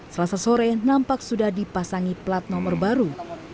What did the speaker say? selasa sore nampak sudah dipasangi plat nomor baru